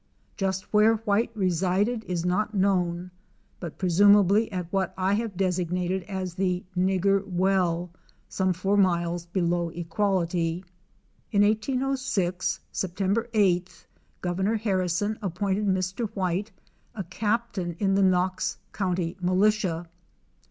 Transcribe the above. Just where White resided is not known, but presumably at what I have designated as the "Nigger well," some four miles below Equality. In 1806, Sept. 8th, Governor Harrison appointed Mr. White a captain in the Knox county militia.